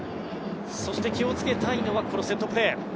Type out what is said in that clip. そして、気を付けたいのがこのセットプレー。